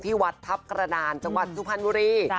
ที่วัดทัพกระดานจังหวัดสุพรรณบุรี